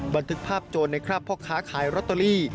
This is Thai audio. บันทึกภาพโจรในคราบพ่อค้าขายลอตเตอรี่